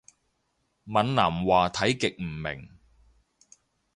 閩南話睇極唔明